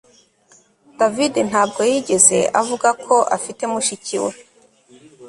David ntabwo yigeze avuga ko afite mushiki we